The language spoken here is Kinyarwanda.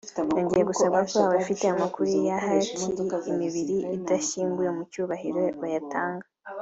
Hongeye gusabwa ko abafite amakuru y’ahakiri imibiri idashyinguye mu cyubahiro bayatanga